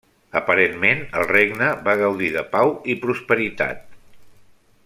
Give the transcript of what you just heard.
Aparentment el regne va gaudir de pau i prosperitat.